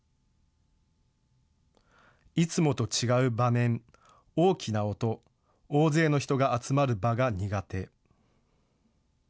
いつもと違う場面、大きな音、大勢の人が集まる場が苦手。